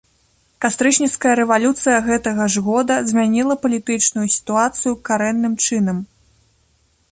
Кастрычніцкая рэвалюцыя гэтага ж года змяніла палітычную сітуацыю карэнным чынам.